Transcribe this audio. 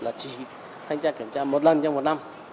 là chỉ thanh tra kiểm tra một lần trong một năm